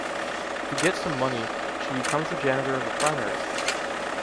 To get some money, she becomes the janitor of a primary school.